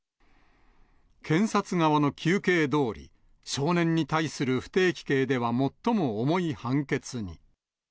検察側の求刑どおり、少年に対する不定期刑では最も重い判決に。